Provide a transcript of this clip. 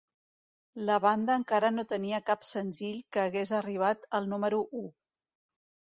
La banda encara no tenia cap senzill que hagués arribat al número u.